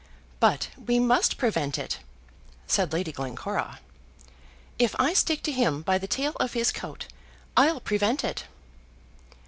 "But we must prevent it," said Lady Glencora. "If I stick to him by the tail of his coat, I'll prevent it."